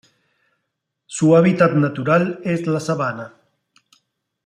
Su hábitat natural es la sabana.